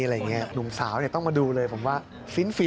หนุ่มสาวต้องมาดูเลยผมว่าฟินอะ